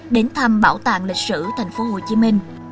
đến thăm bảo tàng lịch sử thành phố hồ chí minh